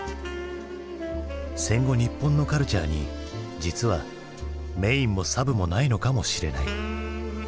戦後日本のカルチャーに実はメインもサブもないのかもしれない。